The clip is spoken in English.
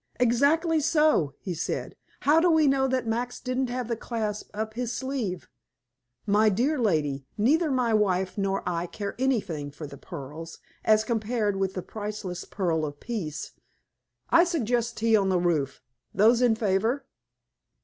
"Exactly so," he said. "How do we know that Max didn't have the clasp up his sleeve? My dear lady, neither my wife nor I care anything for the pearls, as compared with the priceless pearl of peace. I suggest tea on the roof; those in favor